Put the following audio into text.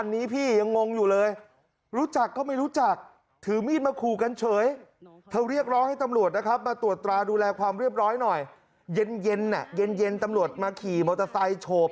แล้วก็เอาถือมีดมามาปากที่ตรงไหนครับ